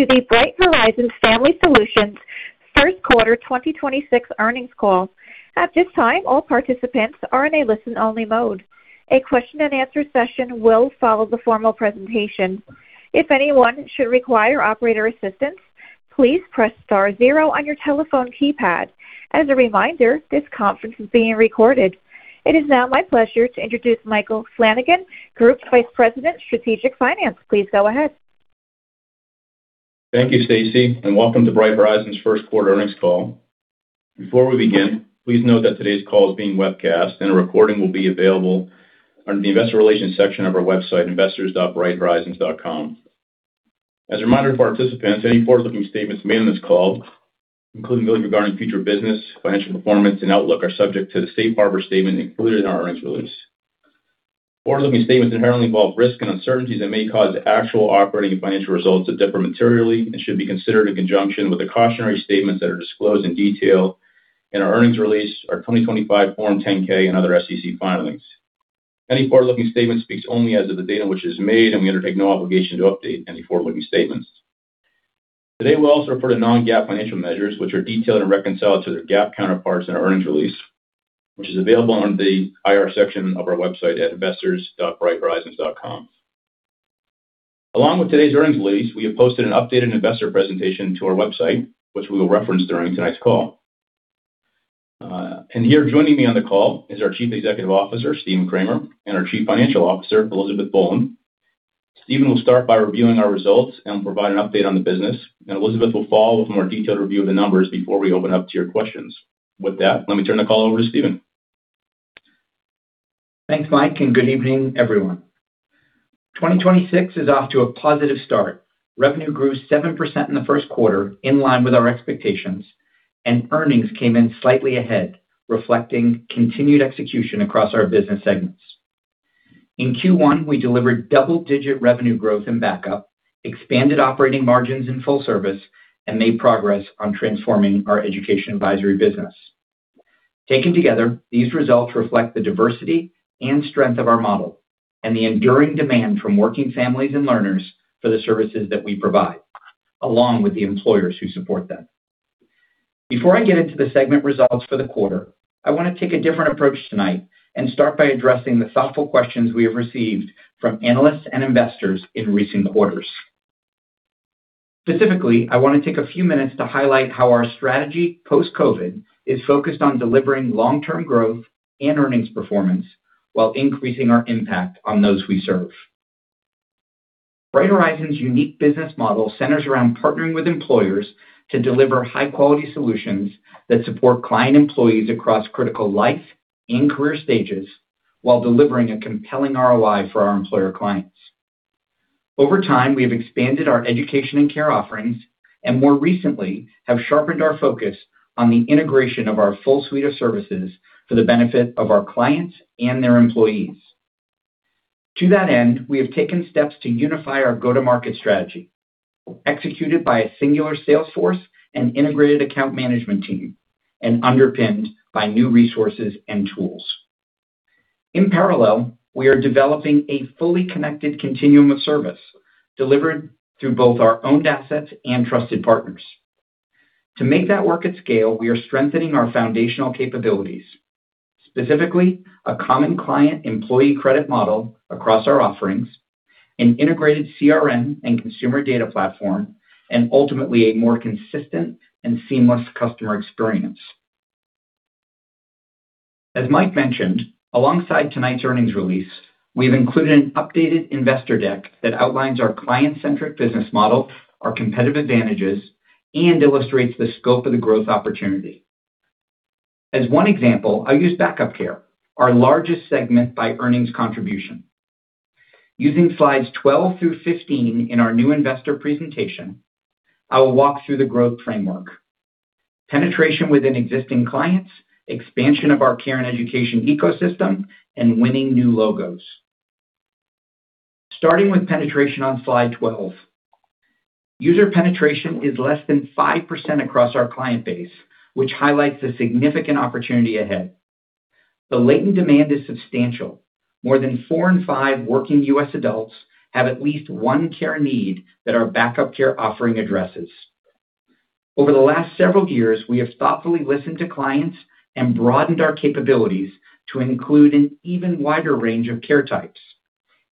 Welcome to the Bright Horizons Family Solutions first quarter 2026 earnings call. At this time, all participants are on a listen-only mode. A question-and-answer session will follow the formal presentation. If anyone should require operator assistance, please press star zero on your telephone keypad. As a reminder, this conference is being recorded. It is now my pleasure to introduce Michael Flanagan, Group Vice President, Strategic Finance. Please go ahead. Thank you, Stacy. Welcome to Bright Horizons first quarter earnings call. Before we begin, please note that today's call is being webcast and a recording will be available on the investor relations section of our website, investors.brighthorizons.com. As a reminder to participants, any forward-looking statements made on this call, including those regarding future business, financial performance, and outlook, are subject to the safe harbor statement included in our earnings release. Forward-looking statements inherently involve risks and uncertainties that may cause actual operating and financial results to differ materially and should be considered in conjunction with the cautionary statements that are disclosed in detail in our earnings release, our 2025 Form 10-K and other SEC filings. Any forward-looking statement speaks only as of the date on which it is made. We undertake no obligation to update any forward-looking statements. Today, we'll also refer to non-GAAP financial measures, which are detailed and reconciled to their GAAP counterparts in our earnings release, which is available on the IR section of our website at investors.brighthorizons.com. Along with today's earnings release, we have posted an updated investor presentation to our website, which we will reference during tonight's call. Here joining me on the call is our Chief Executive Officer, Stephen Kramer, and our Chief Financial Officer, Elizabeth Boland. Stephen will start by reviewing our results and provide an update on the business, and Elizabeth will follow with a more detailed review of the numbers before we open up to your questions. With that, let me turn the call over to Stephen. Thanks, Mike, and good evening, everyone. 2026 is off to a positive start. Revenue grew 7% in the first quarter in line with our expectations, and earnings came in slightly ahead, reflecting continued execution across our business segments. In Q1, we delivered double-digit revenue growth in Back-Up, expanded operating margins in Full Service, and made progress on transforming our Educational Advisory business. Taken together, these results reflect the diversity and strength of our model and the enduring demand from working families and learners for the services that we provide, along with the employers who support them. Before I get into the segment results for the quarter, I want to take a different approach tonight and start by addressing the thoughtful questions we have received from analysts and investors in recent quarters. Specifically, I want to take a few minutes to highlight how our strategy post-COVID is focused on delivering long-term growth and earnings performance while increasing our impact on those we serve. Bright Horizons' unique business model centers around partnering with employers to deliver high-quality solutions that support client employees across critical life and career stages while delivering a compelling ROI for our employer clients. Over time, we have expanded our education and care offerings, and more recently have sharpened our focus on the integration of our full suite of services for the benefit of our clients and their employees. To that end, we have taken steps to unify our go-to-market strategy, executed by a singular sales force and integrated account management team, and underpinned by new resources and tools. In parallel, we are developing a fully connected continuum of service delivered through both our owned assets and trusted partners. To make that work at scale, we are strengthening our foundational capabilities, specifically a common client employee credit model across our offerings, an integrated CRM and consumer data platform, and ultimately, a more consistent and seamless customer experience. As Mike mentioned, alongside tonight's earnings release, we have included an updated investor deck that outlines our client-centric business model, our competitive advantages, and illustrates the scope of the growth opportunity. As one example, I will use Back-Up Care, our largest segment by earnings contribution. Using slides 12 through 15 in our new investor presentation, I will walk through the growth framework. Penetration within existing clients, expansion of our care and education ecosystem, and winning new logos. Starting with penetration on slide 12. User penetration is less than 5% across our client base, which highlights the significant opportunity ahead. The latent demand is substantial. More than four in five working U.S. adults have at least one care need that our Backup Care offering addresses. Over the last several years, we have thoughtfully listened to clients and broadened our capabilities to include an even wider range of care types,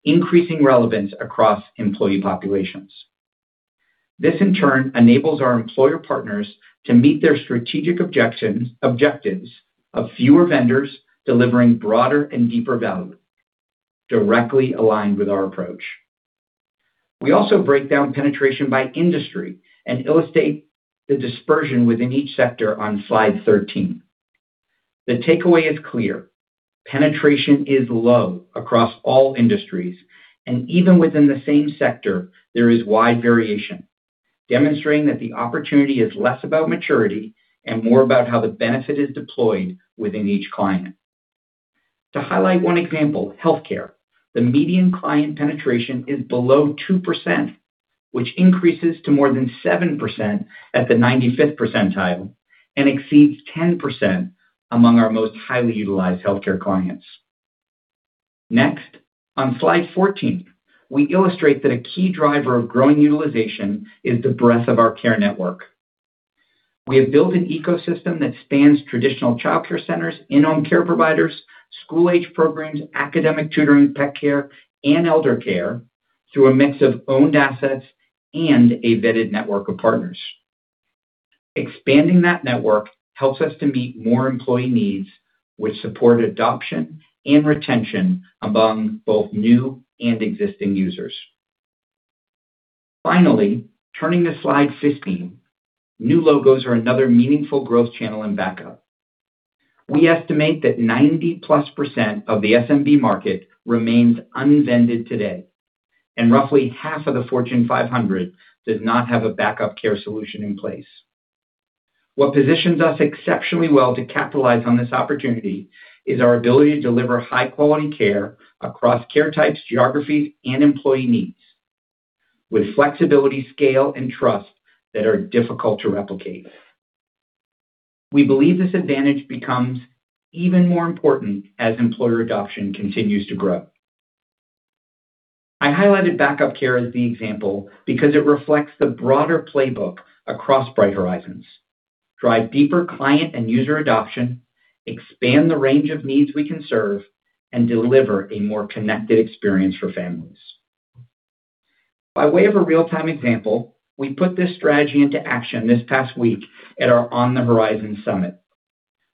increasing relevance across employee populations. This, in turn, enables our employer partners to meet their strategic objectives of fewer vendors delivering broader and deeper value directly aligned with our approach. We also break down penetration by industry and illustrate the dispersion within each sector on slide 13. The takeaway is clear. Penetration is low across all industries, even within the same sector, there is wide variation, demonstrating that the opportunity is less about maturity and more about how the benefit is deployed within each client. To highlight one example, healthcare. The median client penetration is below 2%, which increases to more than 7% at the 95th percentile and exceeds 10% among our most highly utilized healthcare clients. Next, on slide 14, we illustrate that a key driver of growing utilization is the breadth of our care network. We have built an ecosystem that spans traditional childcare centers, in-home care providers, school-age programs, academic tutoring, pet care, and elder care through a mix of owned assets and a vetted network of partners. Expanding that network helps us to meet more employee needs, which support adoption and retention among both new and existing users. Finally, turning to slide 15, new logos are another meaningful growth channel in Back-Up care. We estimate that 90+% of the SMB market remains unvended today, and roughly half of the Fortune 500 does not have a Back-Up Care solution in place. What positions us exceptionally well to capitalize on this opportunity is our ability to deliver high-quality care across care types, geographies, and employee needs with flexibility, scale, and trust that are difficult to replicate. We believe this advantage becomes even more important as employer adoption continues to grow. I highlighted Back-Up Care as the example because it reflects the broader playbook across Bright Horizons. Drive deeper client and user adoption, expand the range of needs we can serve, and deliver a more connected experience for families. By way of a real-time example, we put this strategy into action this past week at our On the Horizon summit.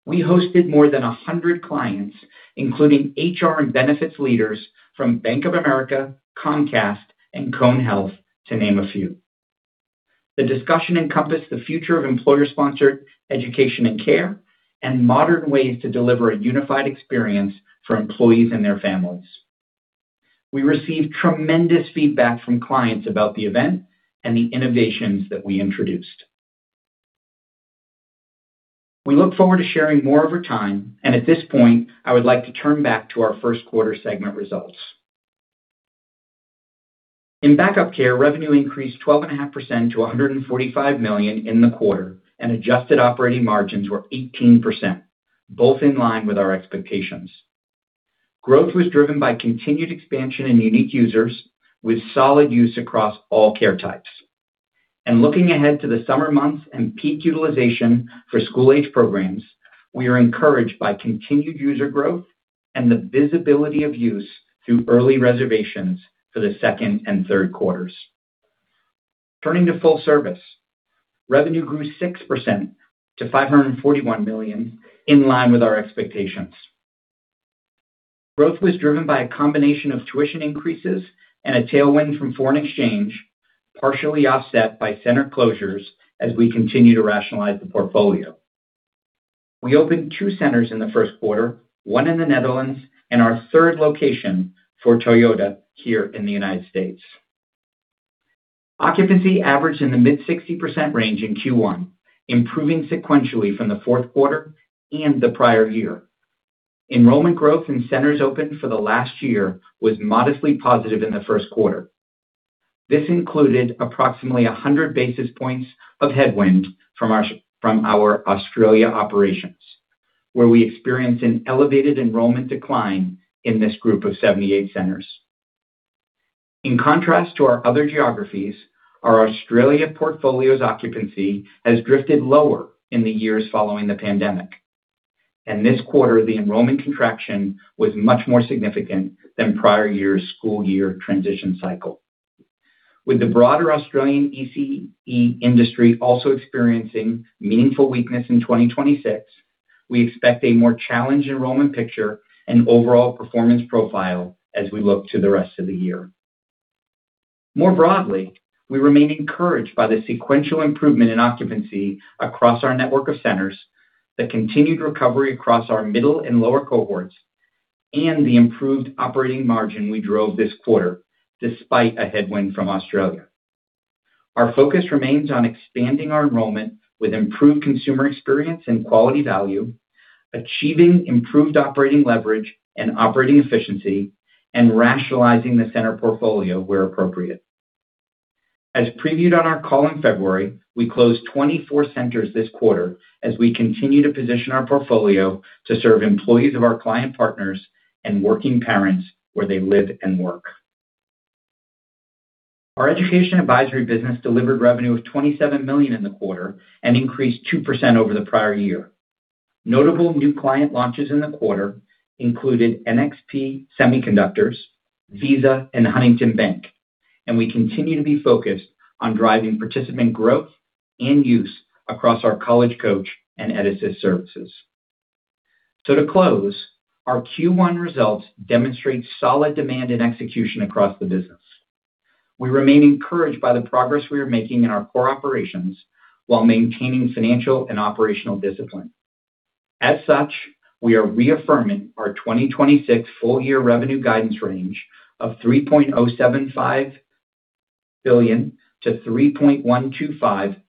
We hosted more than 100 clients, including HR and benefits leaders from Bank of America, Comcast, and Cone Health, to name a few. The discussion encompassed the future of employer-sponsored education and care and modern ways to deliver a unified experience for employees and their families. We received tremendous feedback from clients about the event and the innovations that we introduced. We look forward to sharing more over time, and at this point, I would like to turn back to our first quarter segment results. In Back-Up Care, revenue increased 12.5% to $145 million in the quarter, and adjusted operating margins were 18%, both in line with our expectations. Growth was driven by continued expansion in unique users with solid use across all care types. Looking ahead to the summer months and peak utilization for school-age programs, we are encouraged by continued user growth and the visibility of use through early reservations for the second and third quarters. Turning to Full Service, revenue grew 6% to $541 million, in line with our expectations. Growth was driven by a combination of tuition increases and a tailwind from foreign exchange, partially offset by center closures as we continue to rationalize the portfolio. We opened two centers in the first quarter, one in the Netherlands and our third location for Toyota here in the U.S. Occupancy averaged in the mid-60% range in Q1, improving sequentially from the fourth quarter and the prior year. Enrollment growth in centers opened for the last year was modestly positive in the first quarter. This included approximately 100 basis points of headwind from our Australia operations, where we experienced an elevated enrollment decline in this group of 78 centers. In contrast to our other geographies, our Australia portfolio's occupancy has drifted lower in the years following the pandemic, and this quarter, the enrollment contraction was much more significant than prior year's school year transition cycle. With the broader Australian ECE industry also experiencing meaningful weakness in 2026, we expect a more challenged enrollment picture and overall performance profile as we look to the rest of the year. More broadly, we remain encouraged by the sequential improvement in occupancy across our network of centers, the continued recovery across our middle and lower cohorts, and the improved operating margin we drove this quarter despite a headwind from Australia. Our focus remains on expanding our enrollment with improved consumer experience and quality value, achieving improved operating leverage and operating efficiency, and rationalizing the center portfolio where appropriate. As previewed on our call in February, we closed 24 centers this quarter as we continue to position our portfolio to serve employees of our client partners and working parents where they live and work. Our Educational Advisory services delivered revenue of $27 million in the quarter and increased 2% over the prior year. Notable new client launches in the quarter included NXP Semiconductors, Visa, and Huntington Bank. We continue to be focused on driving participant growth and use across our College Coach and assist services. To close, our Q1 results demonstrate solid demand and execution across the business. We remain encouraged by the progress we are making in our core operations while maintaining financial and operational discipline. As such, we are reaffirming our 2026 full-year revenue guidance range of $3.075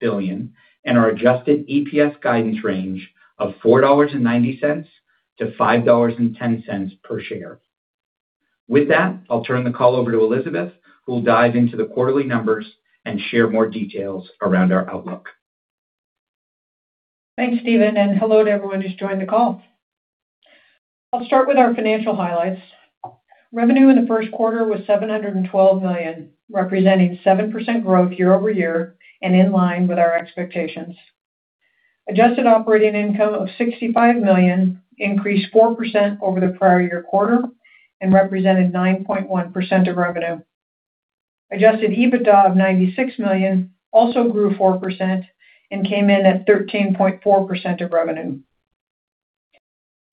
billion-$3.125 billion and our Adjusted EPS guidance range of $4.90-$5.10 per share. With that, I'll turn the call over to Elizabeth, who will dive into the quarterly numbers and share more details around our outlook. Thanks, Stephen. Hello to everyone who's joined the call. I'll start with our financial highlights. Revenue in the first quarter was $712 million, representing 7% growth year-over-year and in line with our expectations. Adjusted Operating Income of $65 million increased 4% over the prior year quarter and represented 9.1% of revenue. Adjusted EBITDA of $96 million also grew 4% and came in at 13.4% of revenue.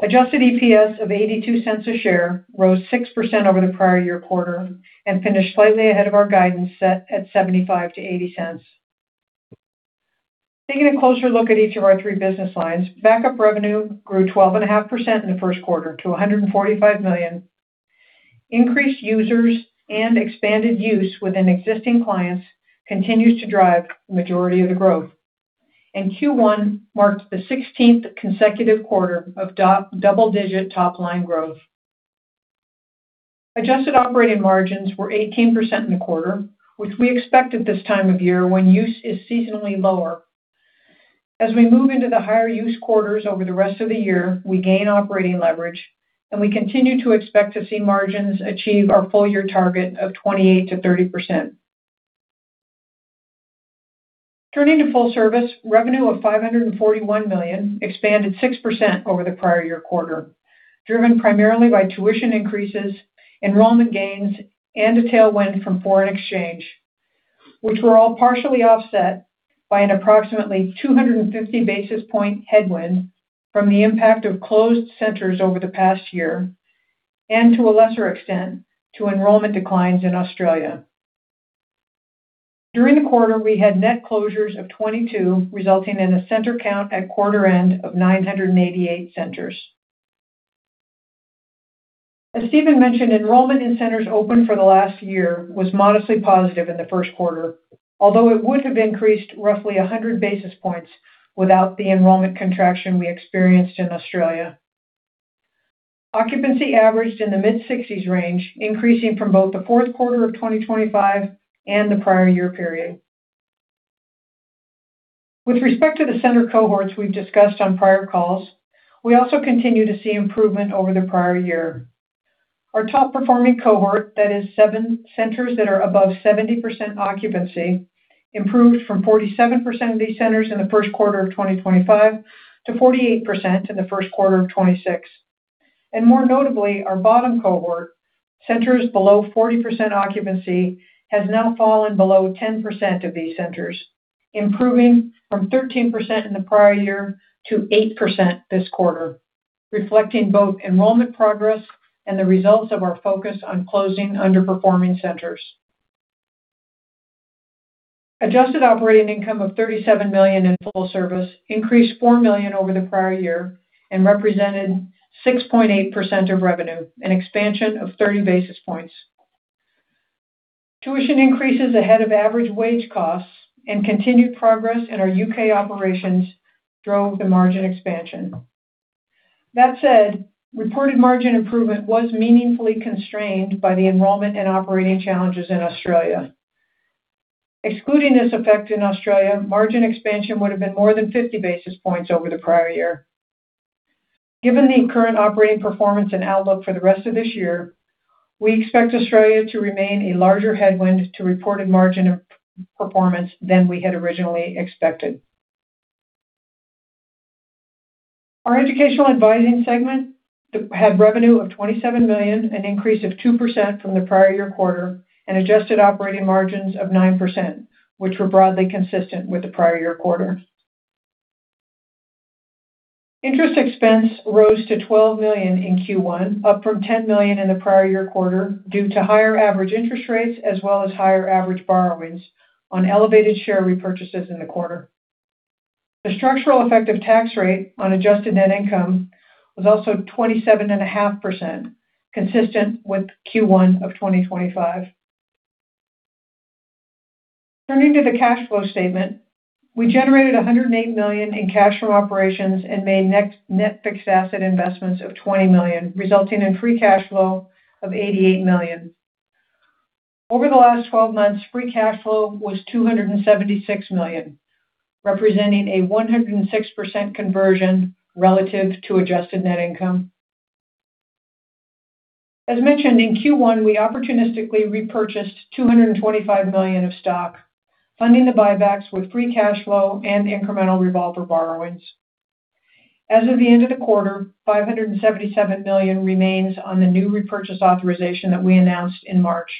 Adjusted EPS of $0.82 a share rose 6% over the prior year quarter and finished slightly ahead of our guidance set at $0.75-$0.80. Taking a closer look at each of our three business lines, Back-Up care revenue grew 12.5% in the first quarter to $145 million. Increased users and expanded use within existing clients continues to drive majority of the growth. Q1 marked the 16th consecutive quarter of double-digit top-line growth. Adjusted operating margins were 18% in the quarter, which we expect at this time of year when use is seasonally lower. As we move into the higher-use quarters over the rest of the year, we gain operating leverage, and we continue to expect to see margins achieve our full-year target of 28%-30%. Turning to Full Service, revenue of $541 million expanded 6% over the prior year quarter, driven primarily by tuition increases, enrollment gains, and a tailwind from foreign exchange, which were all partially offset by an approximately 250 basis point headwind from the impact of closed centers over the past year and, to a lesser extent, to enrollment declines in Australia. During the quarter, we had net closures of 22, resulting in a center count at quarter end of 988 centers. As Stephen Kramer mentioned, enrollment in centers open for the last year was modestly positive in the first quarter, although it would have increased roughly 100 basis points without the enrollment contraction we experienced in Australia. Occupancy averaged in the mid-60s range, increasing from both the fourth quarter of 2025 and the prior year period. With respect to the center cohorts we've discussed on prior calls, we also continue to see improvement over the prior year. Our top-performing cohort, that is seven centers that are above 70% occupancy, improved from 47% of these centers in the first quarter of 2025 to 48% in the first quarter of 2026. More notably, our bottom cohort, centers below 40% occupancy, has now fallen below 10% of these centers, improving from 13% in the prior year to 8% this quarter, reflecting both enrollment progress and the results of our focus on closing underperforming centers. Adjusted Operating Income of $37 million in Full Service increased $4 million over the prior year and represented 6.8% of revenue, an expansion of 30 basis points. Tuition increases ahead of average wage costs and continued progress in our U.K. operations drove the margin expansion. That said, reported margin improvement was meaningfully constrained by the enrollment and operating challenges in Australia. Excluding this effect in Australia, margin expansion would have been more than 50 basis points over the prior year. Given the current operating performance and outlook for the rest of this year, we expect Australia to remain a larger headwind to reported margin of performance than we had originally expected. Our Educational Advising segment had revenue of $27 million, an increase of 2% from the prior year quarter, and Adjusted Operating Margins of 9%, which were broadly consistent with the prior year quarter. Interest expense rose to $12 million in Q1, up from $10 million in the prior year quarter, due to higher average interest rates as well as higher average borrowings on elevated share repurchases in the quarter. The structural effective tax rate on Adjusted Net Income was also 27.5%, consistent with Q1 2025. Turning to the cash flow statement, we generated $108 million in cash from operations and made net fixed asset investments of $20 million, resulting in free cash flow of $88 million. Over the last 12 months, free cash flow was $276 million, representing a 106% conversion relative to Adjusted Net Income. As mentioned in Q1, we opportunistically repurchased $225 million of stock, funding the buybacks with free cash flow and incremental revolver borrowings. As of the end of the quarter, $577 million remains on the new repurchase authorization that we announced in March.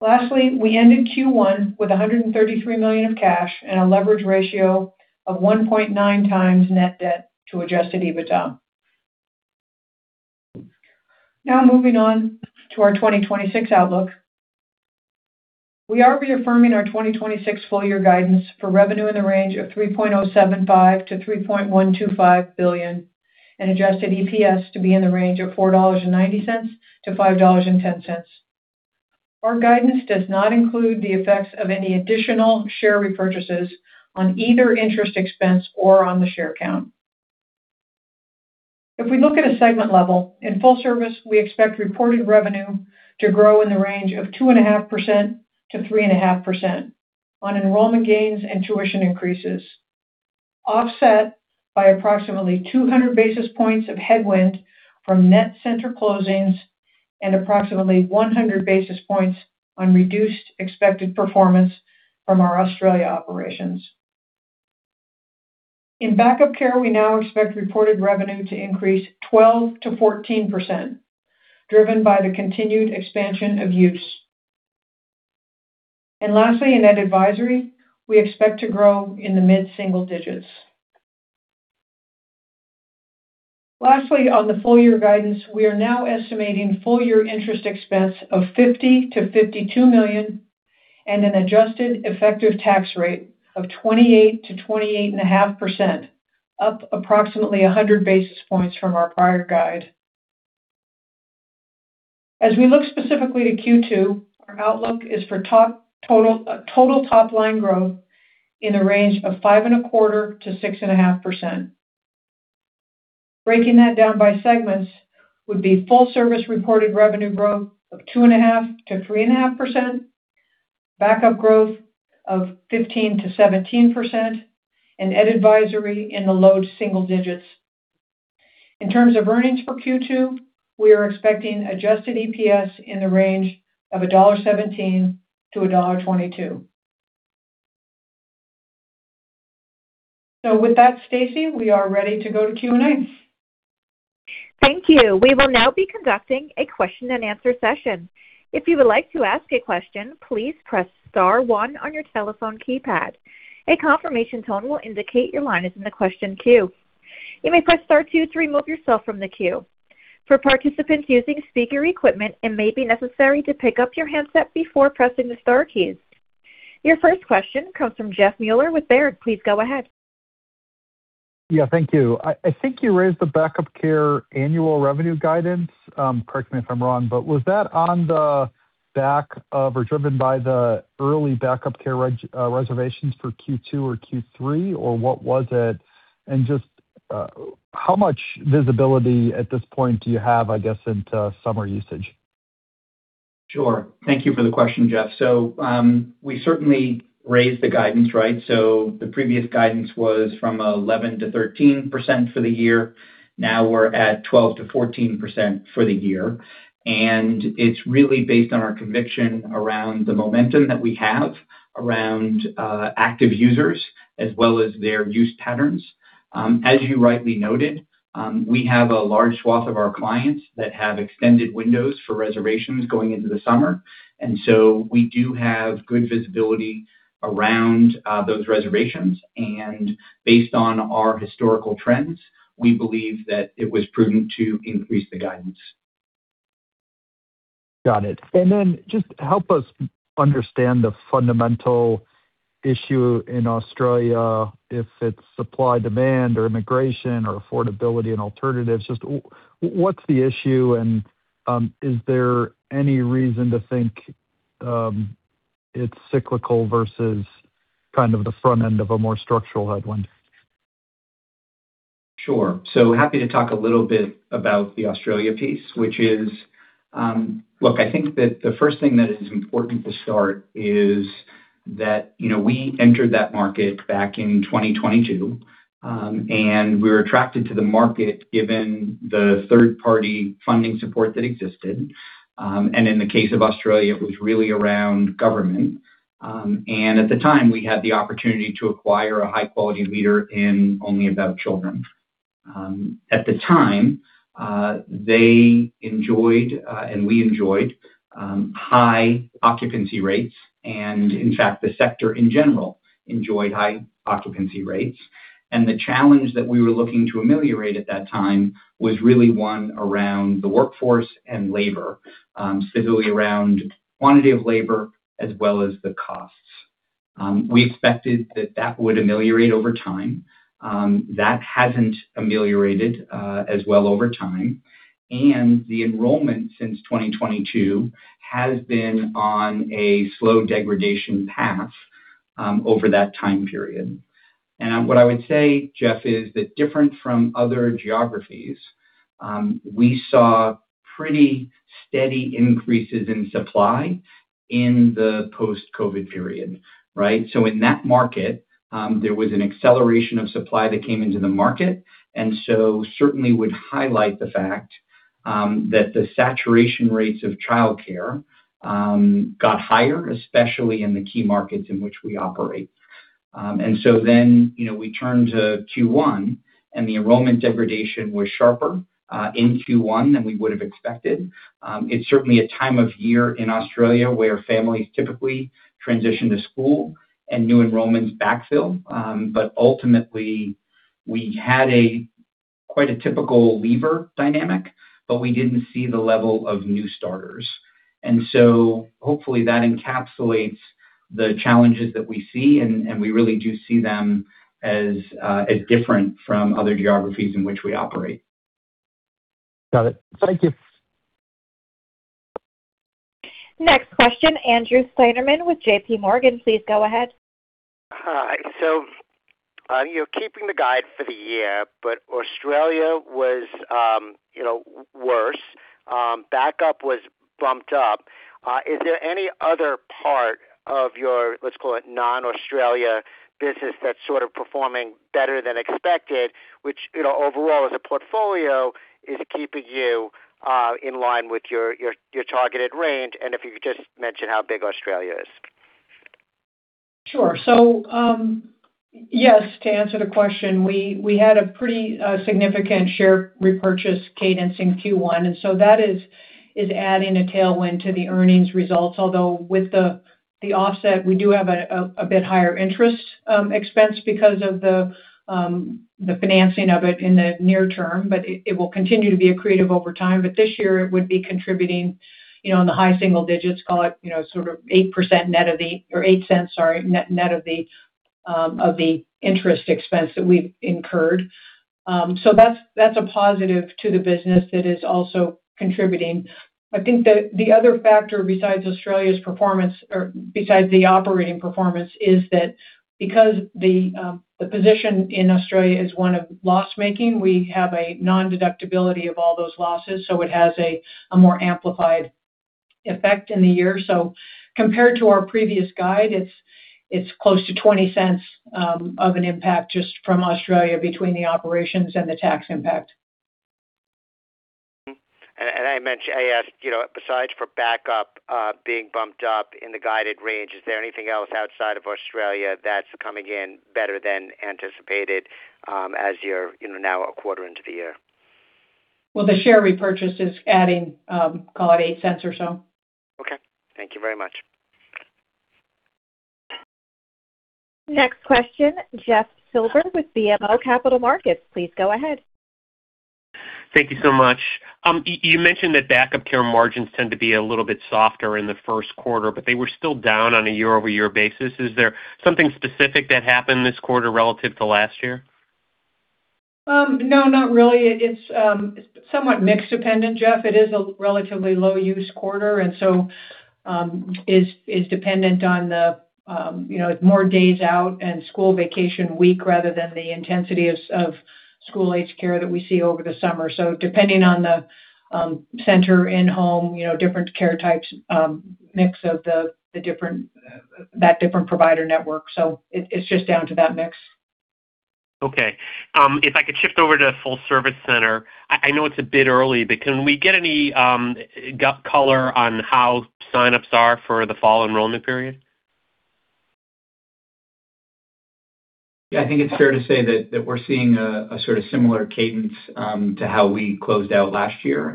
Lastly, we ended Q1 with $133 million of cash and a leverage ratio of 1.9x Net Debt to Adjusted EBITDA. Now, moving on to our 2026 outlook. We are reaffirming our 2026 full year guidance for revenue in the range of $3.075 billion-$3.125 billion and Adjusted EPS to be in the range of $4.90-$5.10. Our guidance does not include the effects of any additional share repurchases on either interest expense or on the share count. If we look at a segment level, in Full Service, we expect reported revenue to grow in the range of 2.5%-3.5% on enrollment gains and tuition increases, offset by approximately 200 basis points of headwind from net center closings and approximately 100 basis points on reduced expected performance from our Australia operations. In Back-Up Care, we now expect reported revenue to increase 12%-14%, driven by the continued expansion of use. Lastly, in Ed Advisory, we expect to grow in the mid-single digits. Lastly, on the full year guidance, we are now estimating full year interest expense of $50 million-$52 million, and an Adjusted effective tax rate of 28%-28.5%, up approximately 100 basis points from our prior guide. As we look specifically to Q2, our outlook is for total top line growth in the range of 5.25%-6.5%. Breaking that down by segments would be Full Service reported revenue growth of 2.5%-3.5%, Back-Up growth of 15%-17%, and Ed Advisory in the low single digits. In terms of earnings for Q2, we are expecting Adjusted EPS in the range of $1.17-$1.22. With that, Stacy, we are ready to go to Q&A. Thank you. We will now be conducting a question and answer session. If you'd like to ask a question, please press star one on your telephone keypad. A confirmation tone will indicate your line is in the question queue. You may press star two to remove yourself on the queue. For participants using speaker equipment, it may be necessary for you to pick up your handset before pressing the star keys. Your first question comes from Jeffrey Meuler with Baird. Please go ahead. Yeah, thank you. I think you raised the Back-Up Care annual revenue guidance, correct me if I'm wrong, but was that on the back of, or driven by the early Back-Up Care reservations for Q2 or Q3, or what was it? Just, how much visibility at this point do you have, I guess, into summer usage? Sure. Thank you for the question, Jeff. We certainly raised the guidance, right? The previous guidance was from 11%-13% for the year. Now we're at 12%-14% for the year. It's really based on our conviction around the momentum that we have around active users as well as their use patterns. As you rightly noted, we have a large swath of our clients that have extended windows for reservations going into the summer, and so we do have good visibility around those reservations. Based on our historical trends, we believe that it was prudent to increase the guidance. Got it. Just help us understand the fundamental issue in Australia, if it's supply-demand or immigration or affordability and alternatives. Just what's the issue, and is there any reason to think it's cyclical versus kind of the front end of a more structural headwind? Sure. Happy to talk a little bit about the Australia piece, which is, look, I think that the first thing that is important to start is that, you know, we entered that market back in 2022, and we were attracted to the market given the third-party funding support that existed. In the case of Australia, it was really around government. At the time, we had the opportunity to acquire a high-quality leader in Only About Children. At the time, they enjoyed, and we enjoyed, high occupancy rates. In fact, the sector in general enjoyed high occupancy rates. The challenge that we were looking to ameliorate at that time was really one around the workforce and labor, specifically around quantity of labor as well as the costs. We expected that that would ameliorate over time. That hasn't ameliorated as well over time. The enrollment since 2022 has been on a slow degradation path over that time period. What I would say, Jeff, is that different from other geographies, we saw pretty steady increases in supply in the post-COVID period, right? In that market, there was an acceleration of supply that came into the market, certainly would highlight the fact that the saturation rates of childcare got higher, especially in the key markets in which we operate. You know, we turn to Q1, the enrollment degradation was sharper in Q1 than we would have expected. It's certainly a time of year in Australia where families typically transition to school and new enrollments backfill. Ultimately, we had a quite a typical lever dynamic, but we didn't see the level of new starters. Hopefully that encapsulates the challenges that we see, and we really do see them as different from other geographies in which we operate. Got it. Thank you. Next question, Andrew Steinerman with JPMorgan, please go ahead. Hi. You're keeping the guide for the year, Australia was, you know, worse. Backup was bumped up. Is there any other part of your, let's call it, non-Australia business that's sort of performing better than expected, which, you know, overall as a portfolio is keeping you in line with your, your targeted range? If you could just mention how big Australia is. Sure. Yes, to answer the question, we had a pretty significant share repurchase cadence in Q1. That is adding a tailwind to the earnings results. Although, with the offset, we do have a bit higher interest expense because of the financing of it in the near term, but it will continue to be accretive over time. This year it would be contributing, you know, in the high single digits, call it, you know, sort of 8% net of the or $0.08, sorry, net of the interest expense that we've incurred. That's a positive to the business that is also contributing. I think the other factor besides Australia's performance or besides the operating performance is that because the position in Australia is one of loss-making, we have a non-deductibility of all those losses, so it has a more amplified effect in the year. Compared to our previous guide, it's close to $0.20 of an impact just from Australia between the operations and the tax impact. I asked, you know, besides for Back-Up, being bumped up in the guided range, is there anything else outside of Australia that's coming in better than anticipated, as you're, you know, now a quarter into the year? The share repurchase is adding, call it $0.08 or so. Okay. Thank you very much. Next question, Jeff Silber with BMO Capital Markets, please go ahead. Thank you so much. You mentioned that Back-Up Care margins tend to be a little bit softer in the first quarter, but they were still down on a year-over-year basis. Is there something specific that happened this quarter relative to last year? No, not really. It's somewhat mix dependent, Jeff. It is a relatively low use quarter. It is dependent on the, you know, more days out and school vacation week rather than the intensity of school-age care that we see over the summer. Depending on the center in-home, you know, different care types, mix of the different provider network, it's just down to that mix. Okay. If I could shift over to Full Service center, I know it's a bit early, but can we get any gut color on how signups are for the fall enrollment period? Yeah, I think it's fair to say that we're seeing a sort of similar cadence, to how we closed out last year.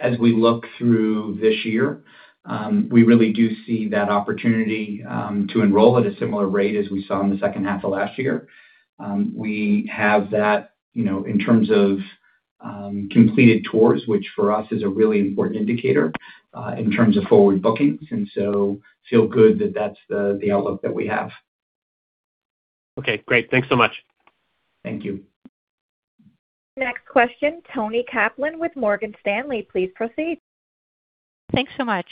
As we look through this year, we really do see that opportunity, to enroll at a similar rate as we saw in the second half of last year. We have that, you know, in terms of, completed tours, which for us is a really important indicator, in terms of forward bookings, and so feel good that that's the outlook that we have. Okay, great. Thanks so much. Thank you. Next question, Toni Kaplan with Morgan Stanley, please proceed. Thanks so much.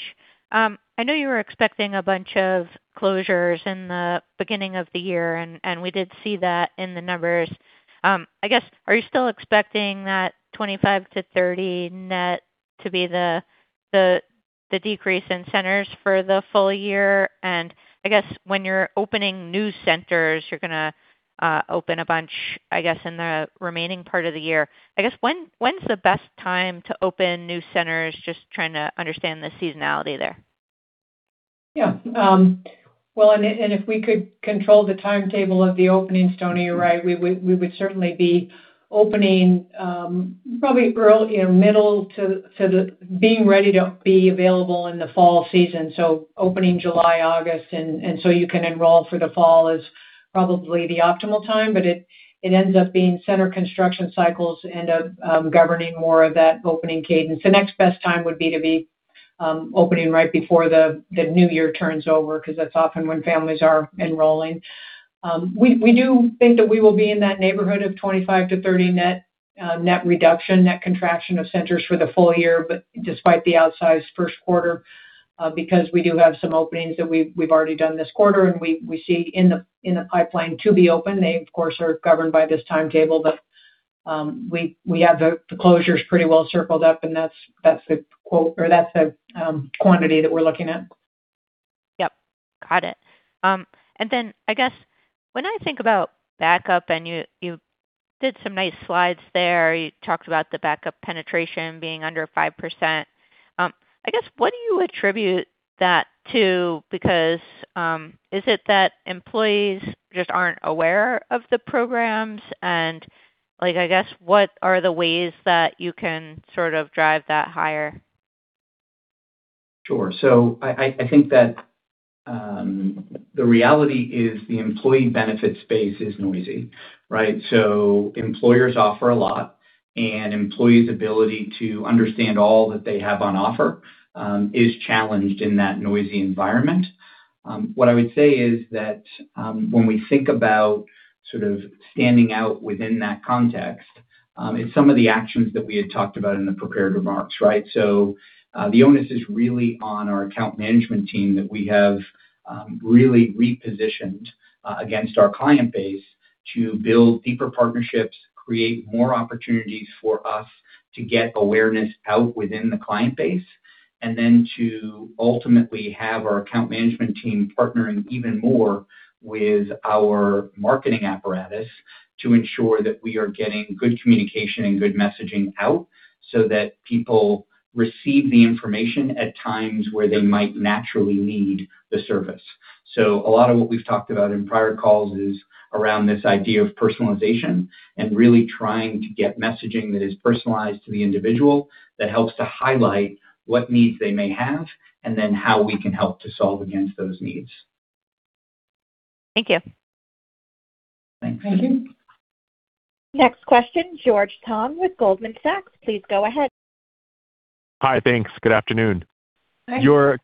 I know you were expecting a bunch of closures in the beginning of the year and we did see that in the numbers. I guess, are you still expecting that 25-30 net to be the decrease in centers for the full year? I guess when you're opening new centers, you're going to open a bunch, I guess, in the remaining part of the year. I guess when's the best time to open new centers? Just trying to understand the seasonality there. Yeah. Well, and if we could control the timetable of the openings, Toni, you're right. We would certainly be opening, you know, middle to the being ready to be available in the fall season, so opening July, August, and so you can enroll for the fall is probably the optimal time. It ends up being center construction cycles end up governing more of that opening cadence. The next best time would be to be opening right before the new year turns over, because that's often when families are enrolling. We do think that we will be in that neighborhood of 25-30 net reduction, net contraction of centers for the full year, but despite the outsized first quarter, because we do have some openings that we've already done this quarter and we see in the pipeline to be open. They, of course, are governed by this timetable, but we have the closures pretty well circled up, and that's the quantity that we're looking at. Yep. Got it. I guess when I think about backup, you did some nice slides there. You talked about the backup penetration being under 5%. I guess, what do you attribute that to? Because, is it that employees just aren't aware of the programs? Like, I guess, what are the ways that you can sort of drive that higher? Sure. I think that the reality is the employee benefit space is noisy, right? Employers offer a lot, and employees' ability to understand all that they have on offer, is challenged in that noisy environment. What I would say is that when we think about sort of standing out within that context, it's some of the actions that we had talked about in the prepared remarks, right? The onus is really on our account management team that we have really repositioned against our client base to build deeper partnerships, create more opportunities for us to get awareness out within the client base, and then to ultimately have our account management team partnering even more with our marketing apparatus to ensure that we are getting good communication and good messaging out so that people receive the information at times where they might naturally need the service. A lot of what we've talked about in prior calls is around this idea of personalization and really trying to get messaging that is personalized to the individual that helps to highlight what needs they may have and then how we can help to solve against those needs. Thank you. Thanks. Thank you. Next question, George Tong with Goldman Sachs. Please go ahead. Hi. Thanks. Good afternoon. Hi. Hi. You're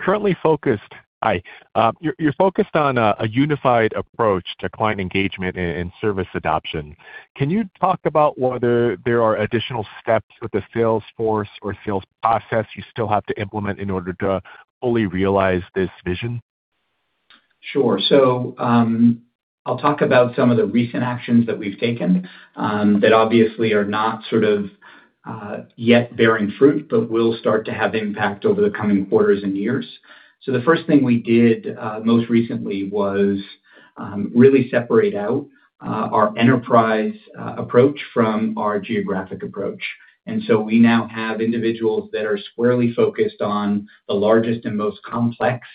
focused on a unified approach to client engagement and service adoption. Can you talk about whether there are additional steps with the sales force or sales process you still have to implement in order to fully realize this vision? Sure. I'll talk about some of the recent actions that we've taken that obviously are not yet bearing fruit, but will start to have impact over the coming quarters and years. The first thing we did most recently was really separate out our enterprise approach from our geographic approach. We now have individuals that are squarely focused on the largest and most complex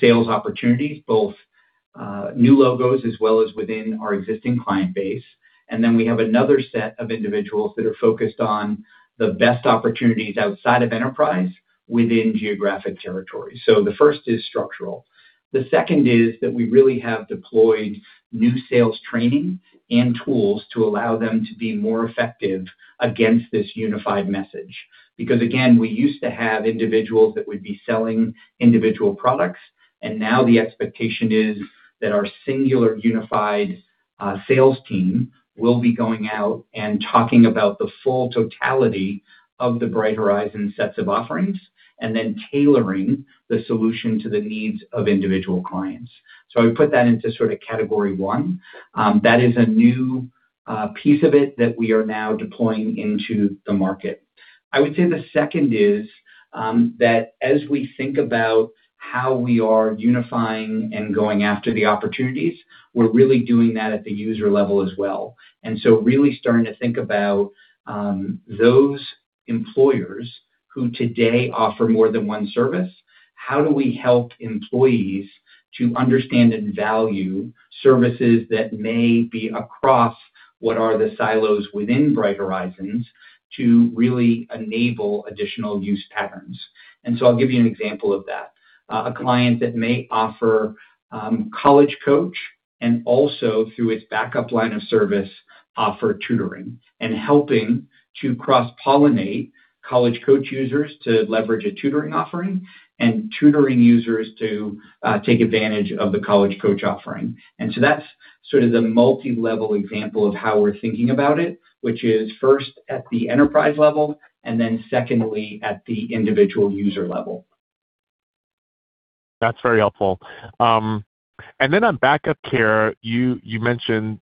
sales opportunities, both new logos as well as within our existing client base. We have another set of individuals that are focused on the best opportunities outside of enterprise within geographic territories. The first is structural. The second is that we really have deployed new sales training and tools to allow them to be more effective against this unified message. Again, we used to have individuals that would be selling individual products, and now the expectation is that our singular unified sales team will be going out and talking about the full totality of the Bright Horizons sets of offerings, and then tailoring the solution to the needs of individual clients. I would put that into sort of category one. That is a new piece of it that we are now deploying into the market. I would say the second is that as we think about how we are unifying and going after the opportunities, we're really doing that at the user level as well. Really starting to think about those employers who today offer more than one service, how do we help employees to understand and value services that may be across what are the silos within Bright Horizons to really enable additional use patterns? I'll give you an example of that. A client that may offer College Coach and also through its Back-Up Care line of service offer tutoring and helping to cross-pollinate College Coach users to leverage a tutoring offering and tutoring users to take advantage of the College Coach offering. That's sort of the multi-level example of how we're thinking about it, which is first at the enterprise level and then secondly at the individual user level. That's very helpful. On Back-Up Care, you mentioned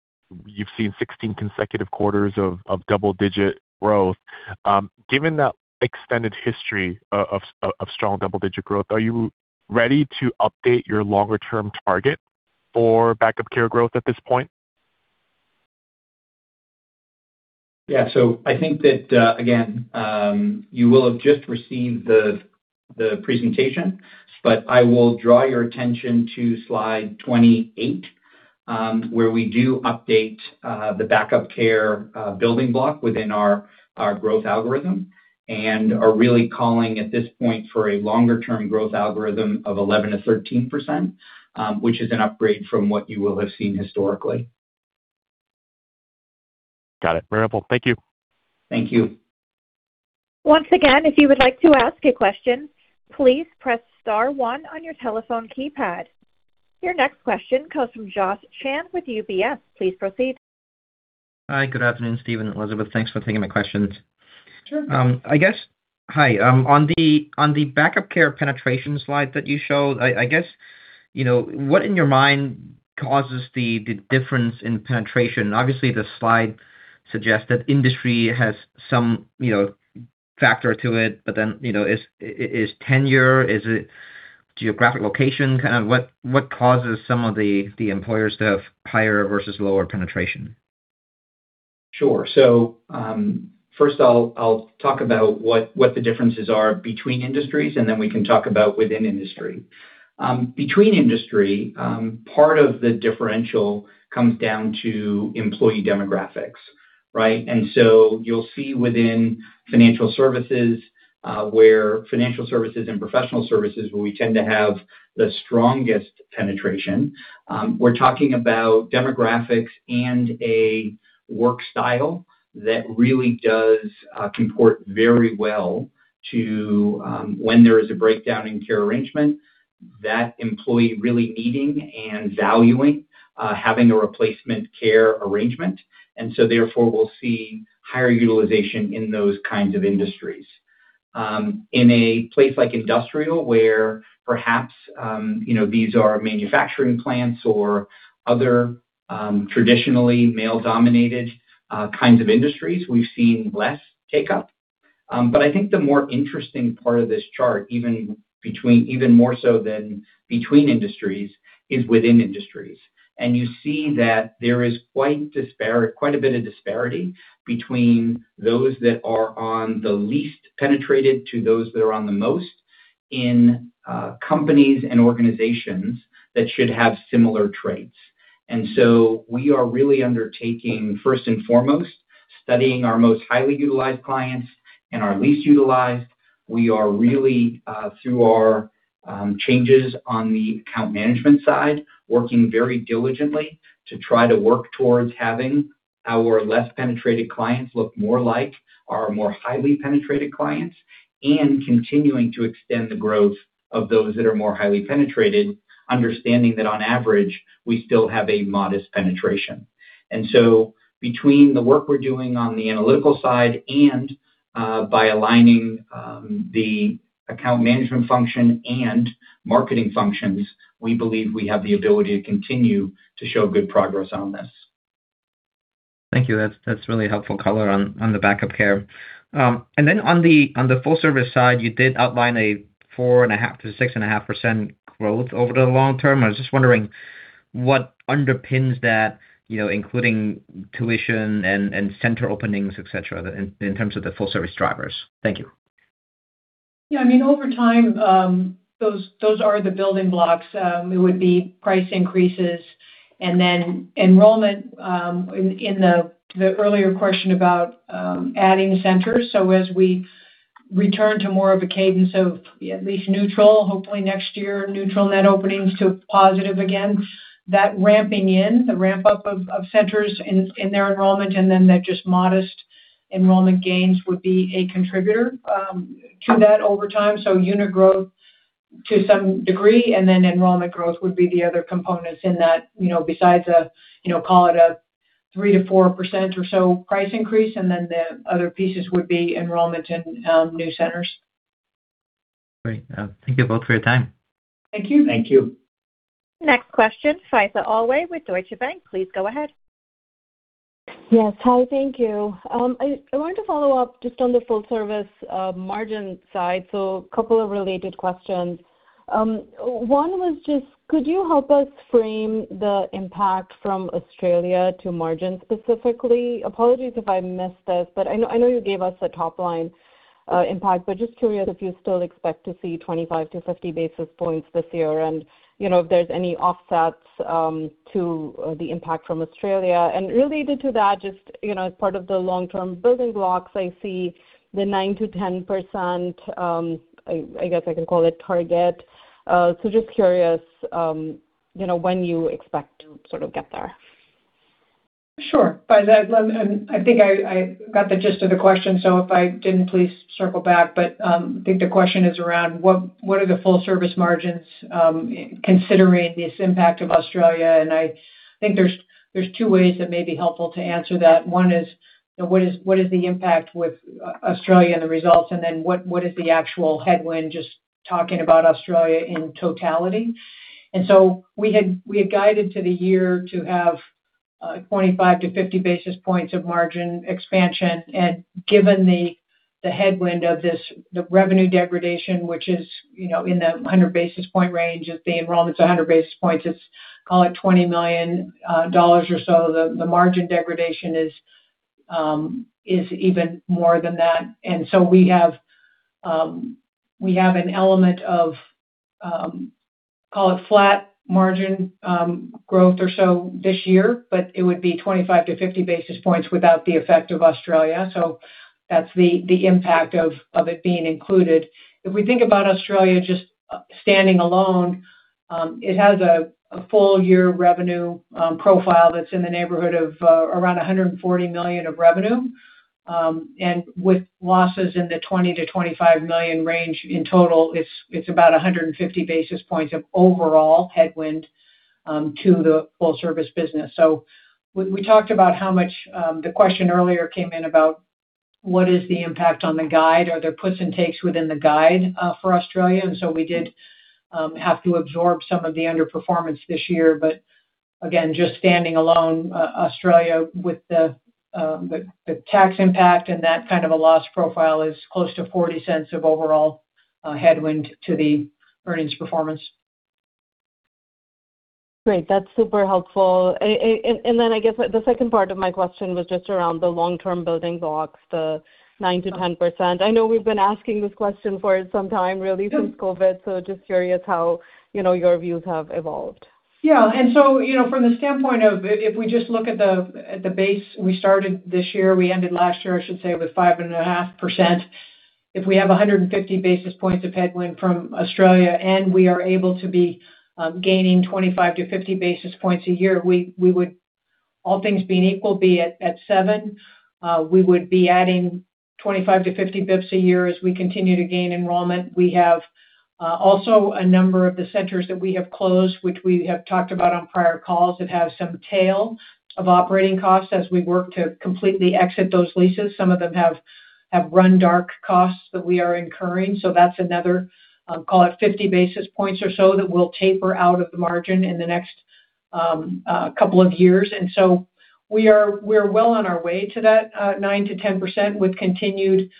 you've seen 16 consecutive quarters of double-digit growth. Given that extended history of strong double-digit growth, are you ready to update your longer term target for Back-Up Care growth at this point? Yeah. I think that, again, you will have just received the presentation, but I will draw your attention to slide 28, where we do update the Back-Up Care building block within our growth algorithm, and are really calling at this point for a longer term growth algorithm of 11%-13%, which is an upgrade from what you will have seen historically. Got it. Very helpful. Thank you. Thank you. Once again, if you would like to ask a question, please press star one on your telephone keypad. Your next question comes from Josh Chan with UBS. Please proceed. Hi. Good afternoon, Steve and Elizabeth. Thanks for taking my questions. Sure. I guess Hi. On the Back-Up Care penetration slide that you showed, I guess, you know, what in your mind causes the difference in penetration? Obviously, the slide suggests that industry has some, you know, factor to it, but then, you know, is tenure, is it geographic location? What causes some of the employers to have higher versus lower penetration? Sure. First I'll talk about what the differences are between industries, and then we can talk about within industry. Between industry, part of the differential comes down to employee demographics, right? You'll see within financial services, where financial services and professional services, where we tend to have the strongest penetration, we're talking about demographics and a work style that really does comport very well to when there is a breakdown in care arrangement, that employee really needing and valuing having a replacement care arrangement. Therefore, we'll see higher utilization in those kinds of industries. In a place like industrial, where perhaps, you know, these are manufacturing plants or other traditionally male-dominated kinds of industries, we've seen less take-up. But I think the more interesting part of this chart, even more so than between industries, is within industries. You see that there is quite a bit of disparity between those that are on the least penetrated to those that are on the most in companies and organizations that should have similar traits. So we are really undertaking, first and foremost, studying our most highly utilized clients and our least utilized. We are really, through our changes on the account management side, working very diligently to try to work towards having our less penetrated clients look more like our more highly penetrated clients and continuing to extend the growth of those that are more highly penetrated, understanding that on average, we still have a modest penetration. Between the work we're doing on the analytical side and, by aligning, the account management function and marketing functions, we believe we have the ability to continue to show good progress on this. Thank you. That's really helpful color on the Back-Up Care. Then on the Full Service side, you did outline a 4.5%-6.5% growth over the long term. I was just wondering what underpins that, you know, including tuition and center openings, et cetera, in terms of the Full Service drivers. Thank you. I mean, over time, those are the building blocks. It would be price increases and then enrollment, in the earlier question about adding centers. As we return to more of a cadence of at least neutral, hopefully next year, neutral net openings to positive again, that the ramp-up of centers and their enrollment, and then that just modest enrollment gains would be a contributor to that over time. Unit growth to some degree, and then enrollment growth would be the other components in that, you know, besides a, you know, call it a 3%-4% or so price increase, and then the other pieces would be enrollment and new centers. Great. Thank you both for your time. Thank you. Thank you. Next question, Faiza Alwy with Deutsche Bank. Please go ahead. Yes. Hi, thank you. I want to follow up just on the Full Service margin side. Couple of related questions. One was just, could you help us frame the impact from Australia to margin specifically? Apologies if I missed this, but I know you gave us a top line impact, but just curious if you still expect to see 25-50 basis points this year and, you know, if there's any offsets to the impact from Australia. Related to that, just, you know, as part of the long-term building blocks, I see the 9%-10%, I guess, I can call it target. Just curious, you know, when you expect to sort of get there. Sure. By that, I think I got the gist of the question, so if I didn't, please circle back. I think the question is around what are the Full Service margins considering this impact of Australia? I think there's two ways that may be helpful to answer that. One is, what is the impact with Australia and the results, and then what is the actual headwind just talking about Australia in totality? We had guided to the year to have 25-50 basis points of margin expansion. Given the headwind of the revenue degradation, which is, you know, in the 100 basis point range of the enrollments, 100 basis points, it's call it $20 million or so, the margin degradation is even more than that. We have an element of call it flat margin growth or so this year, but it would be 25-50 basis points without the effect of Australia. That's the impact of it being included. If we think about Australia just standing alone, it has a full year revenue profile that's in the neighborhood of around $140 million of revenue, and with losses in the $20 million-$25 million range in total, it's about 150 basis points of overall headwind to the Full Service business. We talked about how much the question earlier came in about what is the impact on the guide? Are there puts and takes within the guide for Australia? We did have to absorb some of the underperformance this year. Again, just standing alone, Australia with the tax impact and that kind of a loss profile is close to $0.40 of overall headwind to the earnings performance. Great. That's super helpful. Then I guess the second part of my question was just around the long-term building blocks, the 9%-10%. I know we've been asking this question for some time, really since COVID. Just curious how, you know, your views have evolved. From the standpoint of if we just look at the base we started this year, we ended last year, I should say, with 5.5%. If we have 150 basis points of headwind from Australia, we are able to be gaining 25-50 basis points a year, we would be adding 25-50 basis points a year as we continue to gain enrollment. We have also a number of the centers that we have closed, which we have talked about on prior calls, that have some tail of operating costs as we work to completely exit those leases. Some of them have run dark costs that we are incurring. That's another, I'll call it 50 basis points or so that will taper out of the margin in the next couple of years. We're well on our way to that 9%-10% with continued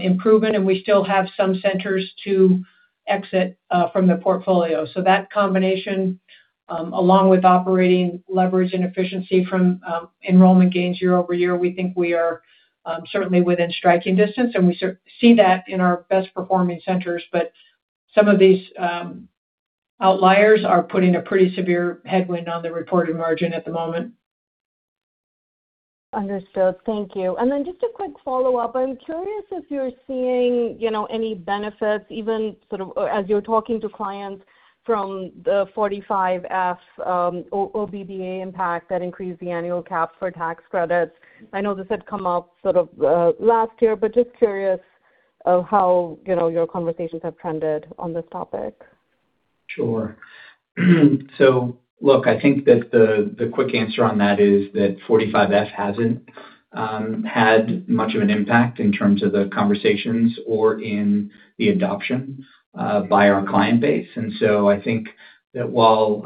improvement, and we still have some centers to exit from the portfolio. That combination, along with operating leverage and efficiency from enrollment gains year-over-year, we think we are certainly within striking distance, and we see that in our best performing centers. Some of these outliers are putting a pretty severe headwind on the reported margin at the moment. Understood. Thank you. Just a quick follow-up. I'm curious if you're seeing, you know, any benefits even or as you're talking to clients from the 45F, OBDA impact that increased the annual cap for tax credits. I know this had come up sort of last year, but just curious of how, you know, your conversations have trended on this topic. Sure. Look, I think that the quick answer on that is that Section 45F hasn't had much of an impact in terms of the conversations or in the adoption by our client base. I think that while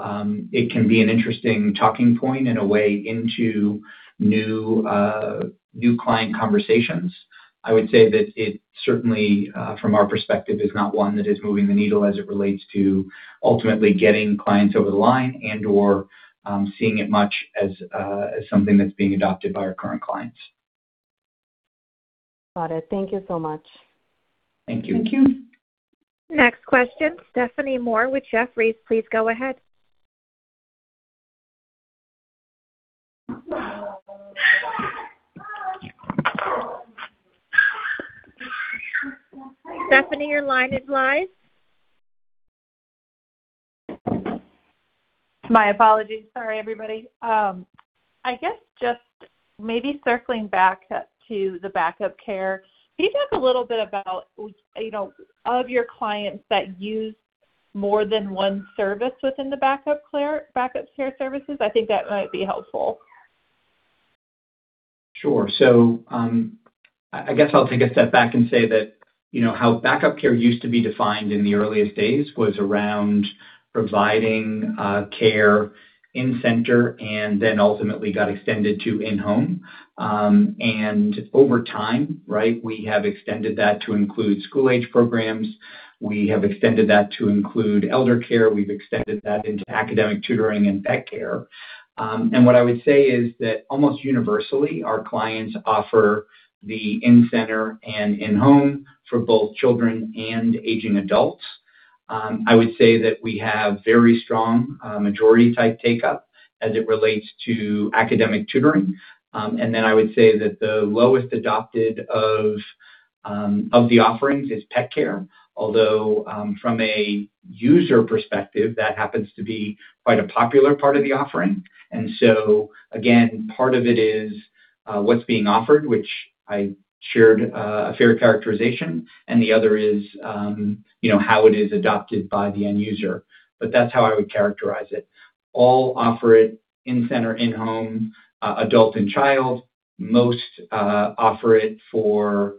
it can be an interesting talking point in a way into new new client conversations, I would say that it certainly from our perspective, is not one that is moving the needle as it relates to ultimately getting clients over the line and/or seeing it much as as something that's being adopted by our current clients. Got it. Thank you so much. Thank you. Thank you. Next question, Stephanie Moore with Jefferies, please go ahead. Stephanie, your line is live. My apologies. Sorry, everybody. I guess just maybe circling back up to the Back-Up Care. Can you talk a little bit about, you know, of your clients that use more than one service within the Back-Up Care services? I think that might be helpful. Sure. I guess I'll take a step back and say that, you know, how Back-Up Care used to be defined in the earliest days was around providing care in-center and then ultimately got extended to in-home. Over time, right, we have extended that to include school-age programs. We have extended that to include elder care. We've extended that into academic tutoring and pet care. What I would say is that almost universally, our clients offer the in-center and in-home for both children and aging adults. I would say that we have very strong majority type take-up as it relates to academic tutoring. Then I would say that the lowest adopted of the offerings is pet care, although from a user perspective, that happens to be quite a popular part of the offering. Again, part of it is what's being offered, which I shared a fair characterization, and the other is, you know, how it is adopted by the end user. That's how I would characterize it. All offer it in-center, in-home, adult and child. Most offer it for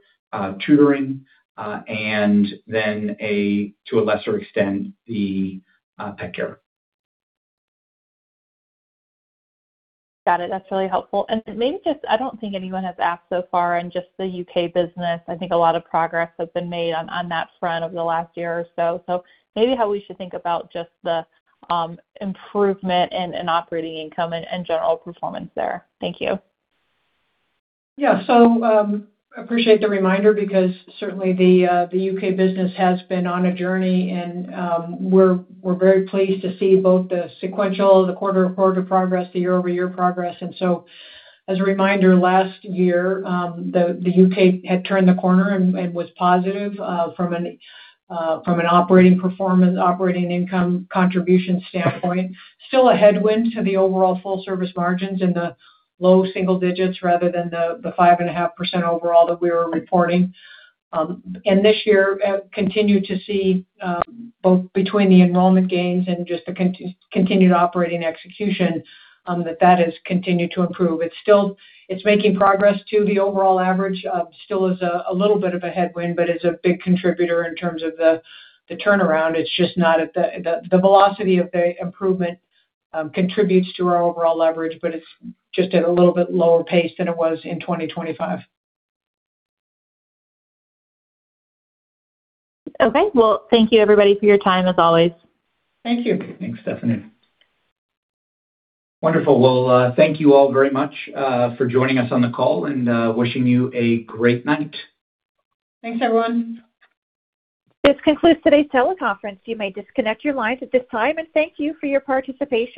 tutoring, and then to a lesser extent, the pet care. Got it. That's really helpful. Maybe just I don't think anyone has asked so far in just the U.K. business, I think a lot of progress has been made on that front over the last year or so. Maybe how we should think about just the improvement in operating income and general performance there. Thank you. Appreciate the reminder because certainly the U.K. business has been on a journey and we're very pleased to see both the sequential, the quarter-over-quarter progress, the year-over-year progress. As a reminder, last year, the U.K. had turned the corner and was positive from an operating performance, operating income contribution standpoint. Still a headwind to the overall Full Service margins in the low single digits rather than the 5.5% overall that we were reporting. This year continued to see both between the enrollment gains and just the continued operating execution that has continued to improve. It's still making progress to the overall average. Still is a little bit of a headwind, but it's a big contributor in terms of the turnaround. It's just not at the velocity of the improvement, contributes to our overall leverage, but it's just at a little bit lower pace than it was in 2025. Okay. Well, thank you everybody for your time, as always. Thank you. Thanks, Stephanie. Wonderful. Well, thank you all very much for joining us on the call and wishing you a great night. Thanks, everyone. This concludes today's teleconference. You may disconnect your lines at this time, and thank you for your participation.